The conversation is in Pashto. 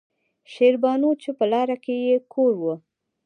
شېربانو چې پۀ لاره کښې يې کور وۀ